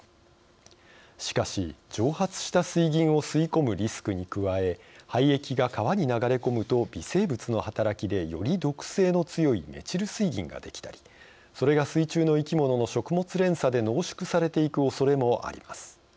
しかし、蒸発した水銀を吸い込むリスクに加え廃液が川に流れ込むと微生物の働きでより毒性の強いメチル水銀ができたりそれが水中の生き物の食物連鎖で濃縮されていくおそれもあります。